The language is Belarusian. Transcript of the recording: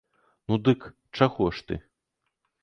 Ну, дык чаго ж ты?